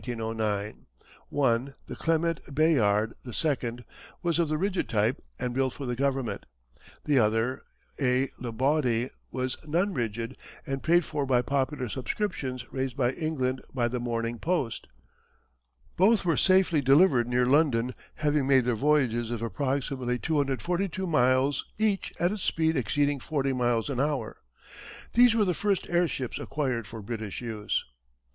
One, the Clement Bayard II., was of the rigid type and built for the government; the other, a Lebaudy, was non rigid and paid for by popular subscriptions raised in England by the Morning Post. Both were safely delivered near London having made their voyages of approximately 242 miles each at a speed exceeding forty miles an hour. These were the first airships acquired for British use.